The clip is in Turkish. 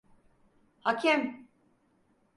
Hakem!